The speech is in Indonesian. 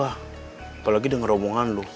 apalagi denger omongan lu